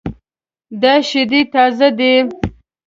دا شیدې تازه دي